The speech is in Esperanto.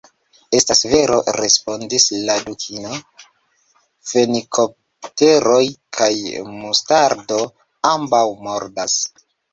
"Estas vero," respondis la Dukino. "Fenikopteroj kaj mustardo ambaŭ mordas.